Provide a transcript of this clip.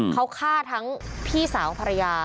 เขาฆ่าทั้งพี่สาวภรรยา